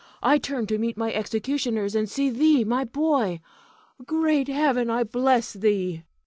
I turn to meet my executioners, and see thee, my boy. Great Heaven, I bless thee!